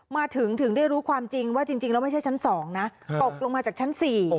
มาถึงถึงได้รู้ความจริงว่าจริงแล้วไม่ใช่ชั้น๒นะตกลงมาจากชั้น๔